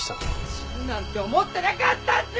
死ぬなんて思ってなかったんすよ